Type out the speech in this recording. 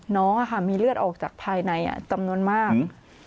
น้องอะค่ะมีเลือดออกจากภายในอ่ะจำนวนมาก